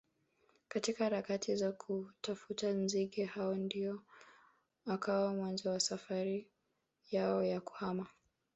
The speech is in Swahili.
katika harakati za kutafuta nzige hao ndio ukawa mwanzo wa safari yao ya kuhama